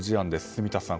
住田さん